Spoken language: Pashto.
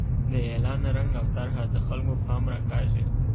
د اعلان رنګ او طرحه د خلکو پام راکاږي.